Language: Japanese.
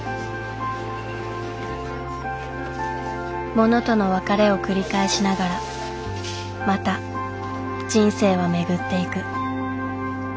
物との別れを繰り返しながらまた人生は巡っていく。